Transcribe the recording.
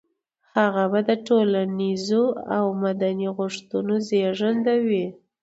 هغه به د ټولنيزو او مدني غوښتنو زېږنده وي.